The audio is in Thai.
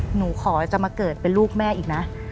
หนูขอจะมาเกิดเป็นลูกแม่อีกนะ